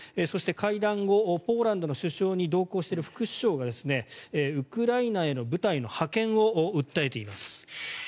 そして、会談後ポーランドの首相に同行している副首相がウクライナへの部隊の派遣を訴えています。